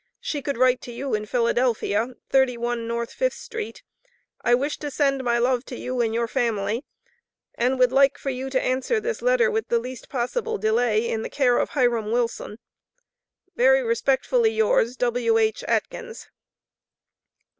She could write to you in Philadelphia, 31 North Fifth street. I wish to send my love to you & your family & would like for you to answer this letter with the least possible delay in the care of Hiram Wilson. Very respectfully yours, W.H. ATKINS.